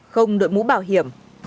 không đội mũ bảo hiểm